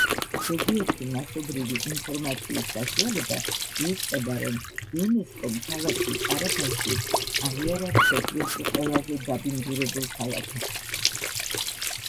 ზოგიერთი მასობრივი ინფორმაციის საშუალება იუწყება, რომ იუნესკომ ქალაქი კარაბაში აღიარა მსოფლიოში ყველაზე დაბინძურებულ ქალაქად.